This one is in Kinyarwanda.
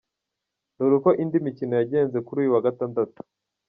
Dore uko indi mikino yagenze kuri uyu wa gatandatu:.